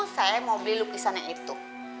saya mau beli lukisan yang itu